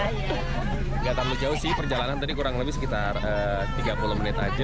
tidak terlalu jauh sih perjalanan tadi kurang lebih sekitar tiga puluh menit aja